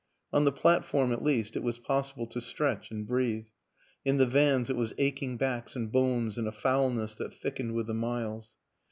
On the platform, at least, it was possible to stretch and breathe ; in the vans it was aching backs and bones and a foulness that thickened with the miles.